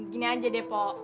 gini aja deh mpo